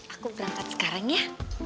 aku berangkat sekarang ya